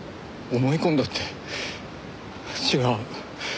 思い込んだって違う。